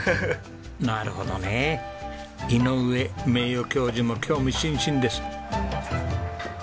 なるほどね井上名誉教授も興味津々です。